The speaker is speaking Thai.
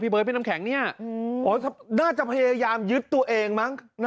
พี่เบิ๊ดเป็นน้ำแข็งเนี่ยอ๋อน่าจะพยายามยึดตัวเองมั้งนะ